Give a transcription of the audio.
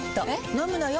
飲むのよ。